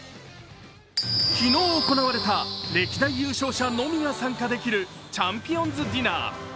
昨日行われた歴代優勝者のみが参加できるチャンピオンズディナー。